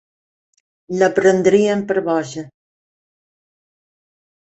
La prendrien per boja.